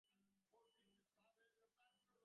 সেই বরফের কিনারা, যেখানে আমি আমার ভাইয়ের সাথে খেলতাম।